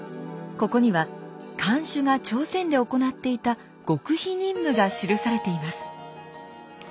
ここには館守が朝鮮で行っていた極秘任務が記されています。